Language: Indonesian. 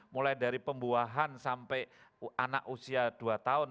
mulai dari pembuahan sampai anak usia dua tahun